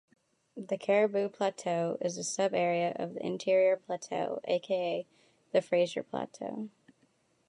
The Cariboo Plateau is a subarea of the Interior Plateau, aka the Fraser Plateau.